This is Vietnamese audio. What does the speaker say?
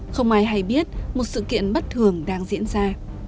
không ai hay biết một sự kiện bất thường đang diễn ra